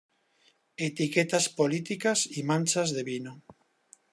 Etiquetas políticas y manchas de vino".